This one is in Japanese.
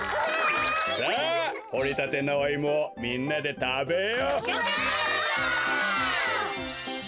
さあほりたてのおイモをみんなでたべよう！わい！